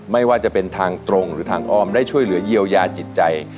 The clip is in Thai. ไม่ว่าจะเป็นทางตรงหรือทางอ้อมได้ช่วยเหลือเยียวยาจิตใจ